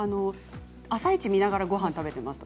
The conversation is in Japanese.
「あさイチ」見ながらごはんを食べています。